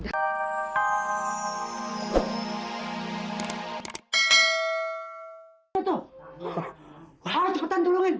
hah cepetan tolongin